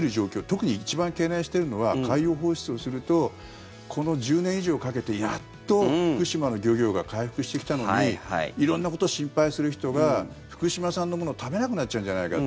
特に一番懸念しているのは海洋放出をするとこの１０年以上かけてやっと福島の漁業が回復してきたのに色んなことを心配する人が福島産のものを食べなくなっちゃうんじゃないか。